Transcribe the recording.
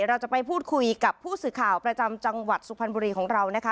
เราจะไปพูดคุยกับผู้สื่อข่าวประจำจังหวัดสุพรรณบุรีของเรานะคะ